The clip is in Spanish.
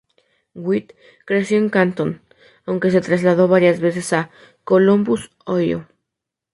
White creció en Canton, aunque se trasladó varias veces a Columbus, Ohio.